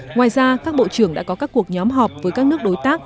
ngoài ra các bộ trưởng đã có các cuộc nhóm họp với các nước đối tác